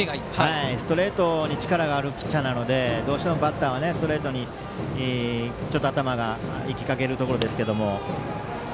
ストレートに力があるピッチャーなのでどうしてもバッターはストレートに頭がいきかけますが。